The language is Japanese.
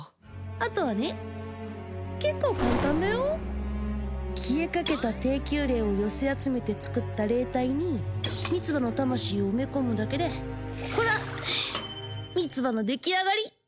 あとはね結構簡単だよ消えかけた低級霊を寄せ集めてつくった霊体にミツバの魂を埋め込むだけでほらミツバの出来上がり！